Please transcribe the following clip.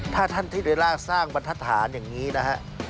ถ้าท่านที่ได้ล่าสร้างบรรทฐานอย่างนี้นะฮะ